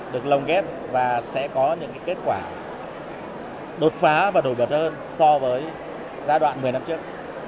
được lồng ghép và sẽ có những kết quả đột phá và đổi bật hơn so với giai đoạn một mươi năm trước